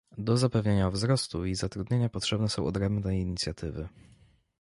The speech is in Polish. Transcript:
Do zapewnienia wzrostu i zatrudnienia potrzebne są odrębne inicjatywy